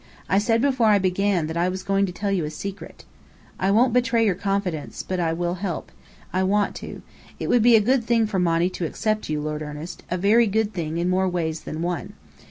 I said before I began, that I was going to tell you a secret." "I won't betray your confidence. But I will help. I want to. It would be a good thing for Monny to accept you, Lord Ernest, a very good thing in more ways than one.